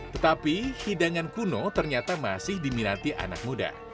tetapi hidangan kuno ternyata masih diminati anak muda